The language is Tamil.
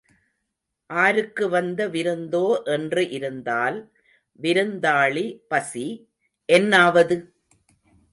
ஆருக்கு வந்த விருந்தோ என்று இருந்தால் விருந்தாளி பசி என்னாவது?